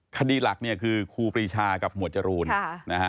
คดีหลักคือครูปรีชากับหมวดจรูน